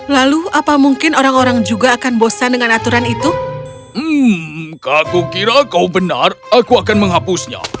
lalu apa mungkin orang orang juga akan bosan dengan aturan itu